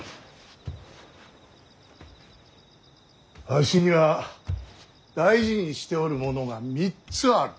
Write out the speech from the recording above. わしには大事にしておるものが３つある。